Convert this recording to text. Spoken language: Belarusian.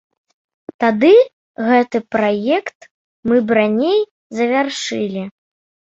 Тады гэты праект мы б раней завяршылі.